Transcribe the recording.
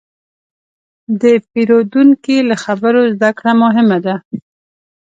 د پیرودونکي له خبرو زدهکړه مهمه ده.